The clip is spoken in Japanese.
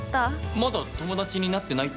まだ友達になってないってこと？